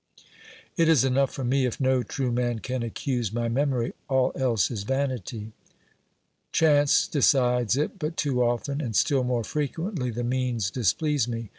It is enough for me if no true man can accuse my memory; all else is vanity. Chance decides it but too often, and still more frequently the means displease me.